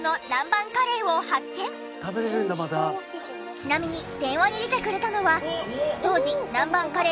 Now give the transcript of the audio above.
ちなみに電話に出てくれたのは。